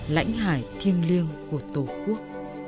lãnh hải thiêng liêng của tổ quốc